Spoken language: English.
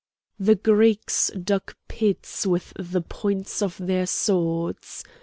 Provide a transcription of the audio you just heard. The Greeks dug pits with the points of their swords.